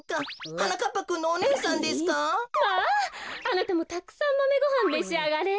あなたもたくさんマメごはんめしあがれ。